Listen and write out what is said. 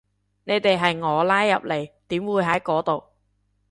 你哋係我拉入嚟，點會喺嗰度